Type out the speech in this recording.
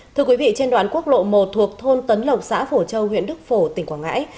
thưa quý vị trên đoạn quốc lộ một thuộc thôn tấn lộc xã phổ châu huyện đức phổ tỉnh quảng ngãi